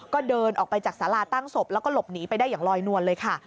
ก็เดินออกไปจากสาราตั้งศพแล้วก็หลบหนีไปได้อย่างลอยนวลเลยค่ะ